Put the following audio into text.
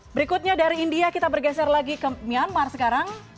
berikutnya dari india kita bergeser lagi ke myanmar sekarang